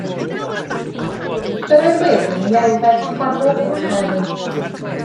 Yr oedd Wil yn ei elfen, chwarddodd drachefn.